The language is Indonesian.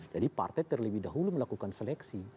jadi partai terlebih dahulu melakukan seleksi